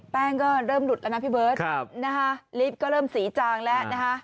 แป้งก็เริ่มหลุดแล้วนะพี่เบิร์ตลิฟต์ก็เริ่มสีจางแล้วนะคะ